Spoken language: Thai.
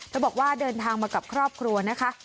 บอกว่าเดินทางมากับครอบครัวนะคะ